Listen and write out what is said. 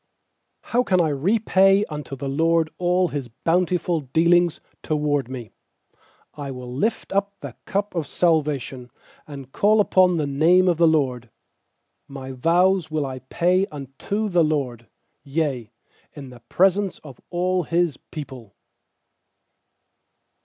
12How can I repay unto the LORD All His bountiful dealings toward me? 860 PSALMS 118 20 13I will lift up the cup of salvation, And call upon the name of the LORD. 14My vows will I pay unto the LORD, Yea, in the presence of all His people.